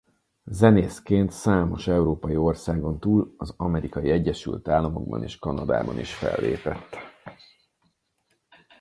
Zenészként Számos európai országon túl az Amerikai Egyesült Államokban és Kanadában is fellépett.